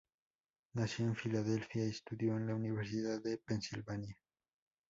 Nació en Filadelfia y estudió en la Universidad de Pensilvania.